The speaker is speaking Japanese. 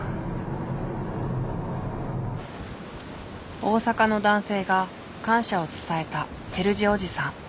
大阪の男性が感謝を伝えた照次おじさん。